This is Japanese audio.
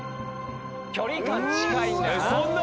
・距離感近いんだよな。